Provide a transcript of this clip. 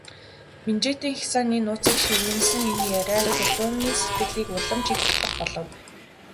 Минжээтийн хясааны нууцыг шивгэнэсэн энэ яриа Чулууны сэтгэлийг улам ч их татах болов.